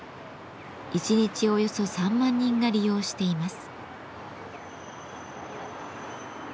１日およそ３万人が利用しています。